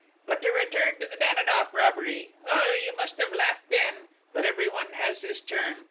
But to return to the Danidoff robbery ... oh, you must have laughed then!... But everyone has his turn